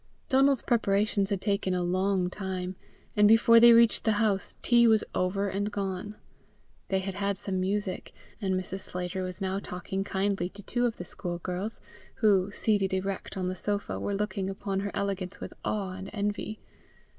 Donal's preparations had taken a long time, and before they reached the house, tea was over and gone. They had had some music; and Mrs. Sclater was now talking kindly to two of the school girls, who, seated erect on the sofa, were looking upon her elegance with awe and envy.